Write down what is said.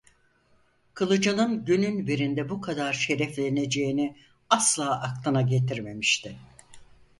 Kılıcının günün birinde bu kadar şerefleneceğini asla aklına getirmemişti.